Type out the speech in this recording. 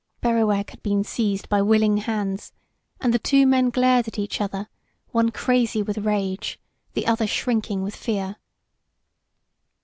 Berrowag had been seized by willing hands, and the two men glared at each other, one crazy with rage, the other shrinking with fear.